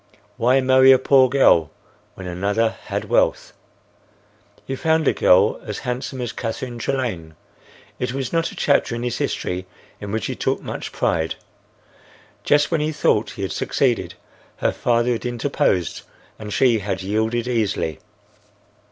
Why marry a poor girl when another had wealth? He found a girl as handsome as Catherine Trelane. It was not a chapter in his history in which he took much pride. Just when he thought he had succeeded, her father had interposed and she had yielded easily.